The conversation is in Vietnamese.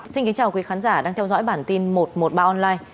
xin kính chào quý khán giả đang theo dõi bản tin một trăm một mươi ba online